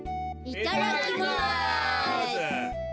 いただきます。